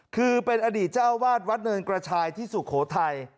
คือเป็นอดีตเจ้าวาดวัดเนินกระชายที่สุโขทัย